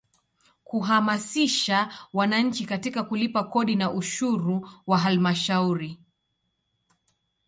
Kuhamasisha wananchi katika kulipa kodi na ushuru wa Halmashauri.